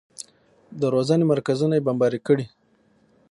د روزنې مرکزونه بمباري کړي.